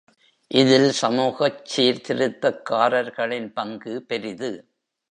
இதில் சமூகச் சீர்திருத்தக்காரர்களின் பங்கு பெரிது.